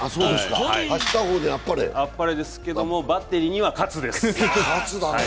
あっぱれですけどもバッテリーには喝です。